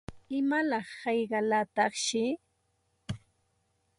¿Imalaq hayqalataqshi?